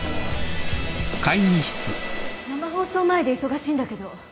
生放送前で忙しいんだけど。